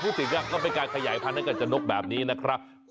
ถึงก็เป็นการขยายพันธุ์จะนกแบบนี้นะครับ